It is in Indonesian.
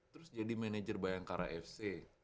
terus jadi manajer bayangkara fc